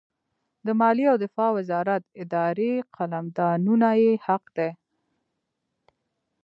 د مالیې او دفاع وزارت اداري قلمدانونه یې حق دي.